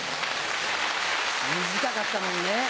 短かったもんね。